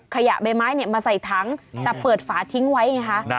ขยะใบไม้มาใส่ถังแต่เปิดฝาทิ้งไว้ไงคะ